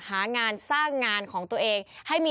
หางานสร้างงานของตัวเอง